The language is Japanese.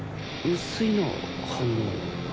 薄いな反応